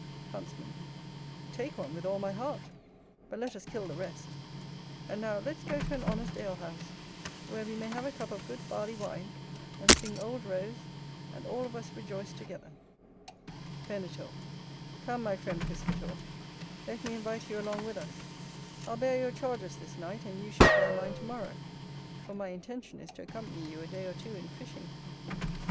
Huntsman. Take one with all my heart; but let us kill the rest. And now let's go to an honest ale house, where we may have a cup of good barley wine, and sing "Old Rose," and all of us rejoice together. Venator. Come, my friend Piscator, let me invite you along with us. I'll bear your charges this night, and you shall bear mine to morrow; for my intention is to accompany you a day or two in fishing.